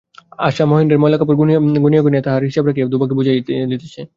আশা মহেন্দ্রের ময়লা কাপড় গনিয়া গনিয়া, তাহার হিসাব রাখিয়া ধোবাকে বুঝাইয়া দিতেছে।